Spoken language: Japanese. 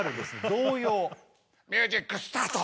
童謡ミュージックスタート